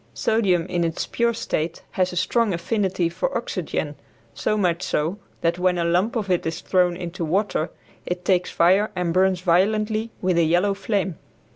Sodium in its pure state has a strong affinity for oxygen, so much so that when a lump of it is thrown into water it takes fire and burns violently with a yellow flame.